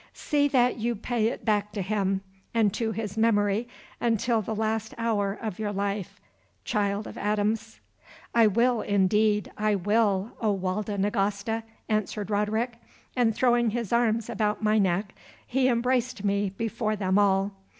See that you pay it back to him, and to his memory until the last hour of your life, child of Adams." "I will, indeed, I will, O Walda Nagasta," answered Roderick, and throwing his arms about my neck he embraced me before them all.